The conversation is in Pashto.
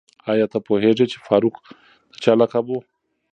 آیا ته پوهېږې چې فاروق د چا لقب و؟